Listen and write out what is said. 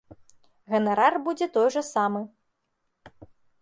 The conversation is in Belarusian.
Ганарар будзе той жа самы.